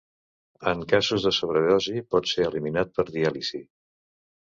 En casos de sobredosi, pot ser eliminat per diàlisi.